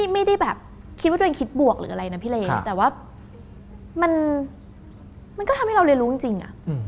ไม่ได้แบบคิดว่าตัวเองคิดบวกหรืออะไรนะพี่เลแต่ว่ามันก็ทำให้เราเรียนรู้จริง